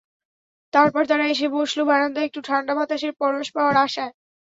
তারপর তারা এসে বসল বারান্দায় একটু ঠান্ডা বাতাসের পরশ পাওয়ার আশায়।